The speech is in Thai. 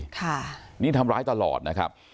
ค่ะหมอว์นี้ทำร้ายตลอดนะครับ